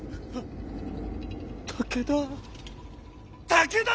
武田。